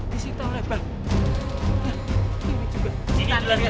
di sini pak